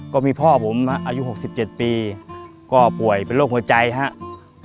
ก็มีพ่อผมอายุ๖๗ปีก็ป่วยเป็นโรคหัวใจครับ